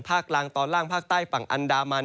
กลางตอนล่างภาคใต้ฝั่งอันดามัน